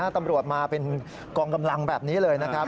ตำรวจมาเป็นกองกำลังแบบนี้เลยนะครับ